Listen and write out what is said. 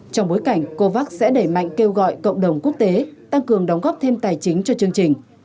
trong bối cảnh covax sẽ đẩy mạnh kêu gọi cộng đồng quốc tế tăng cường đóng góp thêm tài chính cho chương trình